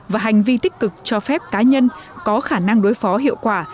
và hành vi tích cực cho phép cá nhân có khả năng đối phó hiệu quả